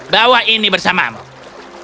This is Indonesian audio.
bawa ini bersamamu